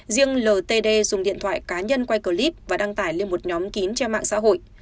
riêng ltd dùng điện thoại cá nhân quay clip và đăng tải lên một nhóm kín trên mạng xã hội